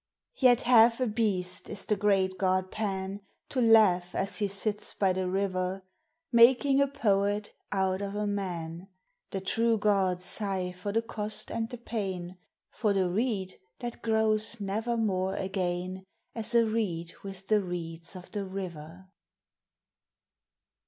Yet half a beast is the great god Pan, To laugh, as he sits by the river, Making a poet out of a man. The true gods sigh for the cost and the pain, — For the reed that grows nevermore again As a reed with the reeds of the river.